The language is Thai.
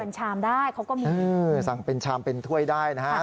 สั่งผมก็มีสั่งเป็นถ้วยสั่งเป็นชามได้นะฮะ